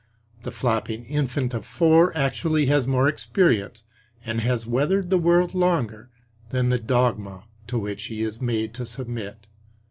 The flopping infant of four actually has more experience, and has weathered the world longer, than the dogma to which he is made to submit.